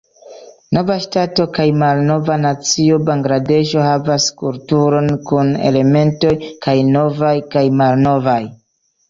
Nova ŝtato kaj malnova nacio, Bangladeŝo havas kulturon kun elementoj kaj novaj kaj malnovaj.